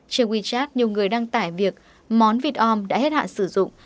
trên wechat nhiều người đăng tải việc món vịt om đã hết hạn sử dụng